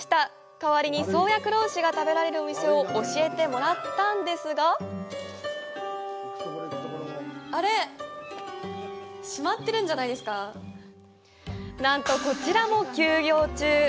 代わりに、宗谷黒牛が食べられるお店を教えてもらったんですがなんと、こちらも休業日。